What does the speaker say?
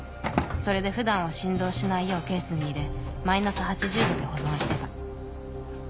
それで普段は振動しないようケースに入れマイナス８０℃で保存してた。